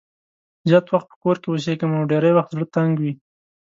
زیات وخت په کور کې اوسېږم او ډېری وخت زړه تنګ وي.